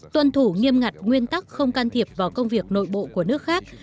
tuân thủ nghiêm ngặt nguyên tắc không can thiệp vào công việc nội bộ của nước khác